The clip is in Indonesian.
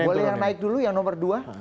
boleh yang naik dulu yang nomor dua